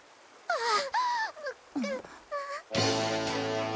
ああ。